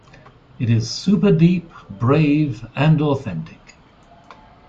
It's super-deep, brave, and authentic.